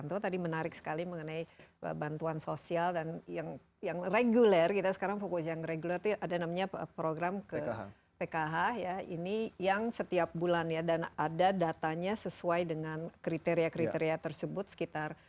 itu tadi menarik sekali mengenai bantuan sosial dan yang reguler kita sekarang fokus yang reguler itu ada namanya program ke pkh ya ini yang setiap bulan ya dan ada datanya sesuai dengan kriteria kriteria tersebut sekitar